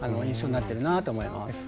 印象になってるなって思います。